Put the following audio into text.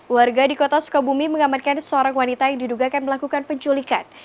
warga di kota sukabumi mengamankan seorang wanita yang diduga kan melakukan penculikan